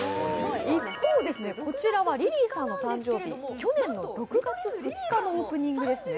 一方、こちらはリリーさんの誕生日、去年の６月２日のオープニングですね。